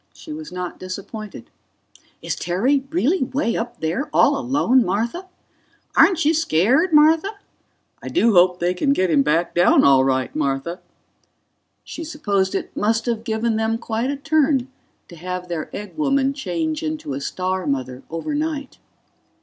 She was not disappointed. "Is Terry really way up there all alone, Martha?" "Aren't you scared, Martha?" "I do hope they can get him back down all right, Martha." She supposed it must have given them quite a turn to have their egg woman change into a star mother overnight.